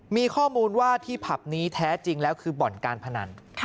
มีข้อมูลว่าที่ผับนี้แท้จริงแล้วคือบ่อนการพนัน